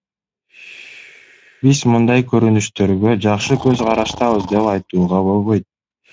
Биз мындай көрүнүштөргө жакшы көз караштабыз деп айтууга болбойт.